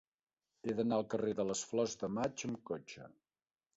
He d'anar al carrer de les Flors de Maig amb cotxe.